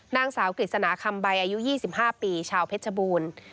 นางสาวกฤษณาคำใบอายุ๒๕ปีชาวเพชรบูรณ์